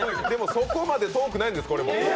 そこまで遠くないんです、これも。